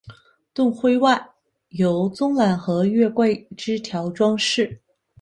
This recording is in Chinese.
盾徽外由棕榈和月桂枝条装饰。